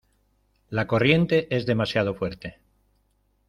la corriente es demasiado fuerte.